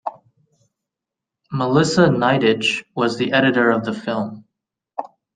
Melissa Neidich was the editor of the film.